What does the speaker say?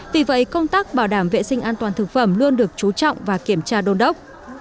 vì vậy công tác bảo đảm vệ sinh an toàn thực phẩm luôn được chú trọng và kiểm tra đôn đốc